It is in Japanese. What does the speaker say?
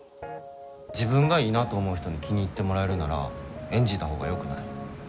自分がいいなと思う人に気に入ってもらえるなら演じたほうがよくない？